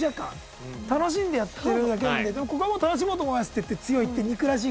楽しんでやってるだけなんだけど「ここはもう楽しもうと思います」って言って強いって憎らしいぐらい。